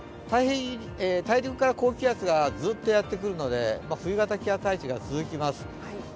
大陸から高気圧がずっとやってきますので冬型気圧配置が続きます。